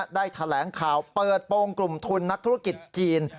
ได้แถลงข่าวเปิดโปรงกลุ่มทุนนักธุรกิจจีน